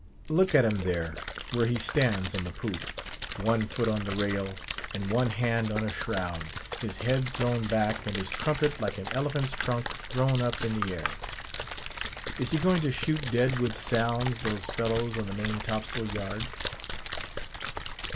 Look at him there, where he stands on the poop—one foot on the rail, and one hand on a shroud—his head thrown back, and his trumpet like an elephant's trunk thrown up in the air. Is he going to shoot dead with sounds, those fellows on the main topsail yard?